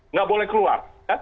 nggak boleh keluar